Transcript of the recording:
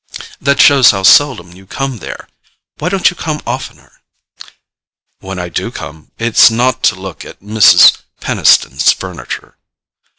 "That shows how seldom you come there. Why don't you come oftener?" "When I do come, it's not to look at Mrs. Peniston's furniture."